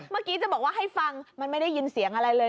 เมื่อกี้จะบอกว่าให้ฟังมันไม่ได้ยินเสียงอะไรเลย